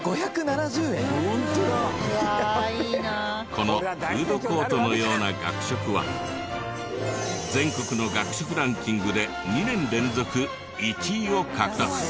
このフードコートのような学食は全国の学食ランキングで２年連続１位を獲得。